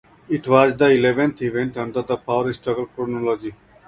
It was the eleventh event under the Power Struggle chronology.